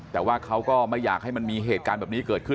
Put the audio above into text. แต่ว่าเขาก็ไม่อยากให้มันมีเหตุการณ์แบบนี้เกิดขึ้น